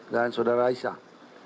dan saudara aisyah